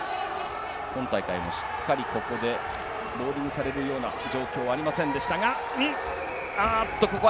今大会もしっかりここでローリングされるような状況はありませんでしたが。